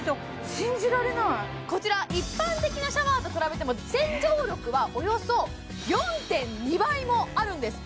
信じられないこちら一般的なシャワーと比べても洗浄力はおよそ４．２倍もあるんです